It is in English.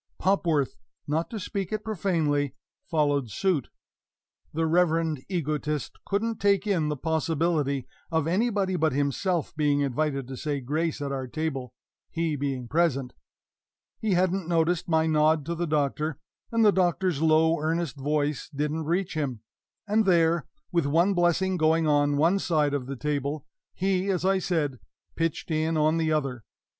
Popworth not to speak it profanely followed suit! The reverend egotist couldn't take in the possibility of anybody but himself being invited to say grace at our table, he being present he hadn't noticed my nod to the Doctor, and the Doctor's low, earnest voice didn't reach him and there, with one blessing going on one side of the table, he, as I said, pitched in on the other!